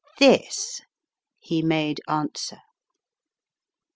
"This," he made answer.